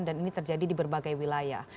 dan ini terjadi di berbagai wilayah